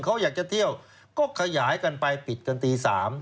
เขาอยากจะเที่ยวก็ขยายกันไปปิดกันตี๓